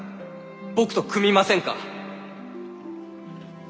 僕と組みませんか？